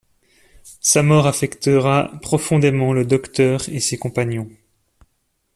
Sa mort affectera profondément le Docteur et ses compagnons.